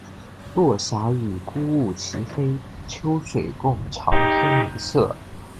落霞与孤鹜齐飞，秋水共长天一色